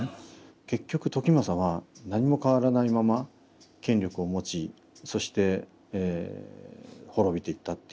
結局時政は何も変わらないまま権力を持ちそしてえ滅びていったっていう感じがすごくあって。